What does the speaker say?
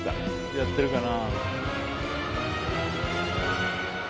やってるかな？